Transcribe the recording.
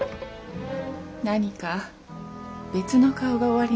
何か別の顔がおありのようで。